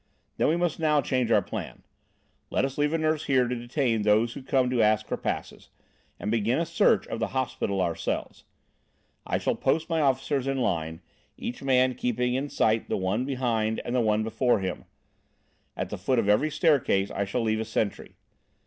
"Then we must now change our plan. Let us leave a nurse here to detain those who come to ask for passes, and begin a search of the hospital ourselves. I shall post my officers in line, each man keeping in sight the one behind and the one before him. At the foot of every staircase I shall leave a sentry.